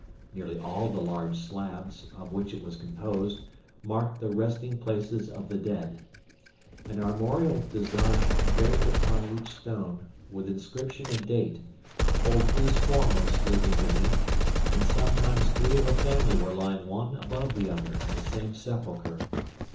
Nearly all the large slabs, of which it was composed, marked the resting places of the dead. An armorial design engraved upon each stone, with inscription and date, told whose form as sleeping beneath, and sometimes three of a family were lying one above the other in the same sepulcher.